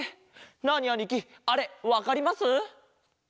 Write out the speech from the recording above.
ナーニあにきあれわかります？